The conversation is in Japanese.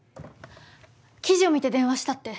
記事を見て電話したって。